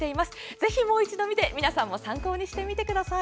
ぜひもう一度見て、皆さんも参考にしてみてください。